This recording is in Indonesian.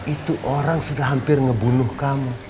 itu orang sudah hampir ngebunuh kamu